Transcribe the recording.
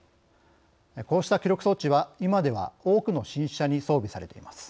こうした記録装置は今では多くの新車に装備されています。